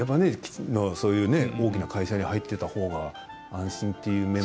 大きな会社に入っていたほうが安心という面も？